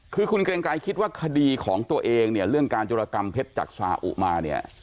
คือคุณเกรงกายคิดว่าคดีของตัวเองเรื่องการจุรกรรมเพศจากสาหุมา